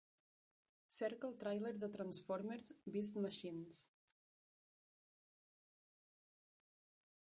Cerca el tràiler de Transformers: Beast Machines.